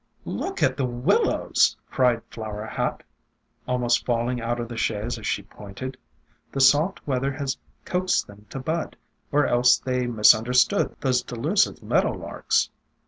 "Look at the Willows," cried Flower Hat, al most falling out of the chaise as she pointed. "The soft weather has coaxed them to bud, or else they misunderstood those delusive meadow larks.